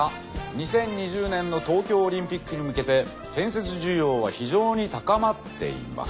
２０２０年の東京オリンピックに向けて建設需要は非常に高まっています。